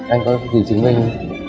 anh có gì chứng minh